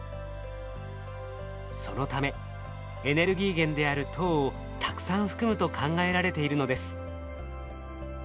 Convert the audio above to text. そのためエネルギー源である糖をたくさん含むと考えられているのです。